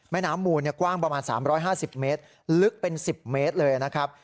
น้ำมูลกว้างประมาณ๓๕๐เมตรลึกเป็น๑๐เมตรเลยนะครับ